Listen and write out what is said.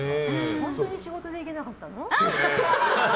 本当に仕事で行けなかったの？